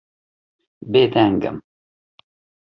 Bêdeng im.